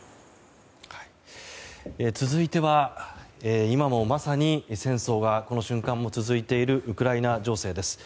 続いては今もまさに戦争がこの瞬間も続いているウクライナ情勢です。